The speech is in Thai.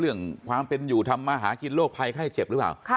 เรื่องความเป็นอยู่ทำมาหากินโรคภัยไข้เจ็บหรือเปล่า